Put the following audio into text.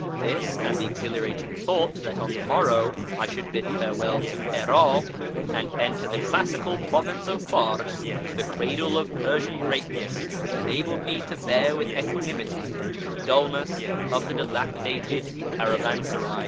This, and the exhilarating thought that on the morrow I should bid farewell to 'Irak, and enter the classical province of Pars, the cradle of Persian greatness, enabled me to bear with equanimity the dullness of the dilapidated caravansaray.